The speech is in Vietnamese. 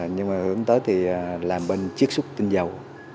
nhưng mà hướng tới thì làm bên chiếc xuất tinh dầu